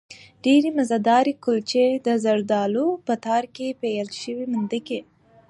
ډېرې مزهدارې کلچې، د زردالو په تار کې پېل شوې مندکې